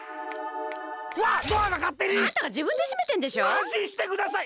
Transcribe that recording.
・あんしんしてください！